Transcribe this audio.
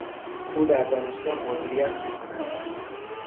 او در دانشگاه مدیریت میخواند.